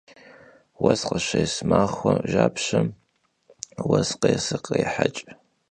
Vues khışês maxuem japşem vues khêsır khrêheç'.